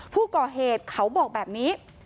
ผู้ก่อเหตุเขาบอกแบบนี้